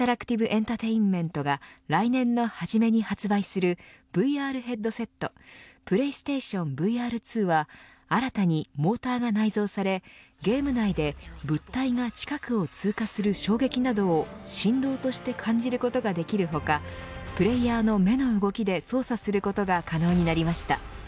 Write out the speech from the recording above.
エンタテイメントが来年の初めに発売するＶＲヘッドセットＰｌａｙＳｔａｔｉｏｎＶＲ２は新たにモーターが内蔵されゲーム内で物体が近くを通過する衝撃などを振動として感じることができる他プレイヤーの目の動きで操作することが可能になりました。